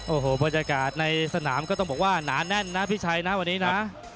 โอ้โหบรรยากาศในสนามก็ต้องบอกว่าหนาแน่นนะพี่ชัยนะวันนี้นะ